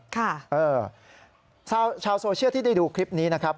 ค่ะเออชาวโซเชียลที่ได้ดูคลิปนี้นะครับ